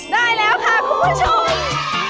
ได้แล้วค่ะคุณผู้ชม